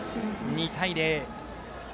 ２対０。